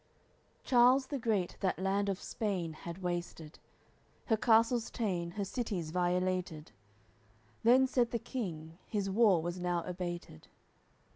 AOI. LV Charles the Great that land of Spain had wasted, Her castles ta'en, her cities violated. Then said the King, his war was now abated.